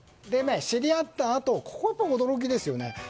知り合ったあとここも驚きですよね。